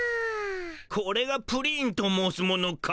これがプリンと申すものか。